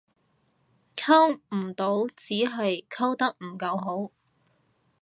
溝唔到只係溝得唔夠多